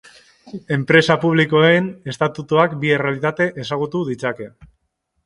Enpresa publikoen estatutuak bi errealitate ezagutu ditzake.